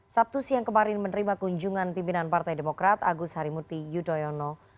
sabtu siang kemarin menerima kunjungan pimpinan partai demokrat agus harimurti yudhoyono